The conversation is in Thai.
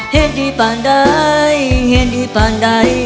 เห็นดีป่านใดเห็นดีป่านใด